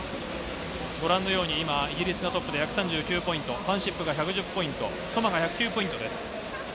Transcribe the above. ご覧のように今、イギリスが１３９ポイント、ファンシップが１０９ポイント、トマが１０９ポイントです。